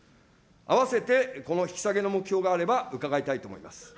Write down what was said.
併せてこの引き下げの目標があれば、伺いたいと思います。